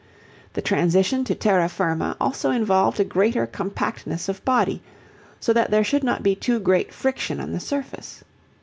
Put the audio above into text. The transition to terra firma also involved a greater compactness of body, so that there should not be too great friction on the surface.